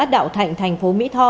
đạo thạnh thành phố mỹ tho